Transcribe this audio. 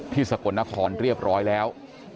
ที่สะกนนครเรียบร้อยแล้ว